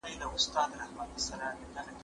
زه به سبا د ښوونځی لپاره امادګي ونيسم؟